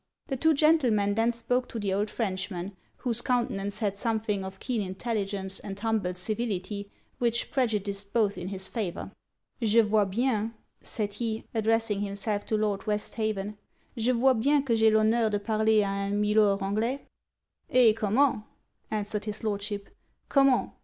The two gentlemen then spoke to the old Frenchman; whose countenance had something of keen intelligence and humble civility which prejudiced both in his favour. 'Je vois bien,' said he, addressing himself to Lord Westhaven, 'je vois bien que j'ai l'honneur de parler a un Milor Anglais.' 'Eh! comment?' answered his Lordship '_comment?